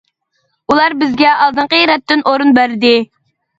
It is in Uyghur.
ئۇلار بىزگە ئالدىنقى رەتتىن ئورۇن بەردى.